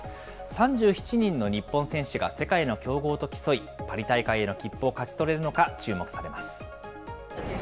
３７人の日本選手が世界の強豪と競い、パリ大会への切符を勝ち取れるのか注目されます。